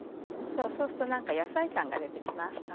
そうすると何か野菜感が出て来ます。